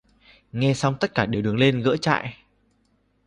Nghe xong tất cả đều đứng lên gỡ trại